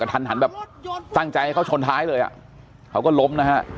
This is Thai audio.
กระทั่นมันสร้างใจให้เขาชนท้ายเลยเขาก็ล้มนะฮะ